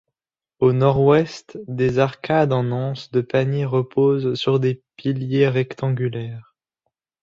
Au nord-ouest, des arcades en anse de panier reposent sur des piliers rectangulaires.